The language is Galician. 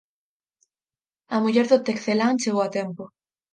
A muller do Tecelán chegou a tempo